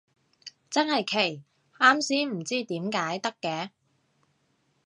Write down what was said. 真係奇，啱先唔知點解得嘅